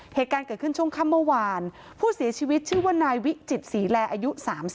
เหตุการณ์เกิดขึ้นช่วงค่ำเมื่อวานผู้เสียชีวิตชื่อว่านายวิจิตศรีแลอายุ๓๐